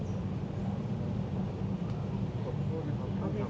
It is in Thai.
หมอบรรยาหมอบรรยาหมอบรรยา